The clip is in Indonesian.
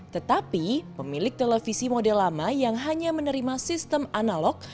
tetapi pemilik televisi model lama yang hanya menerima sistem analog